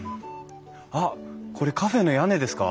あっこれカフェの屋根ですか？